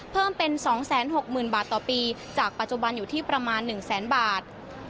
เพิ่มเป็น๒๖๐๐๐บาทต่อปีจากปัจจุบันอยู่ที่ประมาณ๑แสนบาท